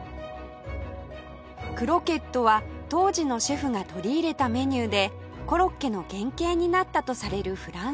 クロケットは当時のシェフが取り入れたメニューでコロッケの原型になったとされるフランス料理